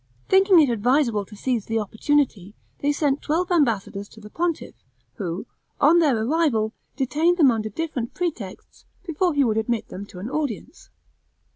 Thinking it advisable to seize the opportunity, they sent twelve ambassadors to the pontiff, who, on their arrival, detained them under different pretexts before he would admit them to an audience.